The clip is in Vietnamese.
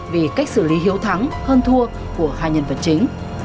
vì cách xử lý hiếu thắng hơn thua của hai nhân vật chính